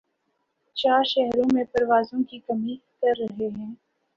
چار شہرو ں میں پروازوں کی کمی کر رہے ہیں